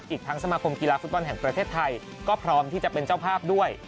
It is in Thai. อีกทั้งสมาคมกีฬาฟุตบอลแห่งประเทศไทยก็พร้อมที่จะเป็นเจ้าภาพด้วย